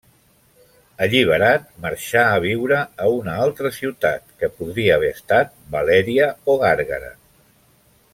Alliberat, marxà a viure a una altra ciutat, que podria haver estat Valèria o Gàrgara.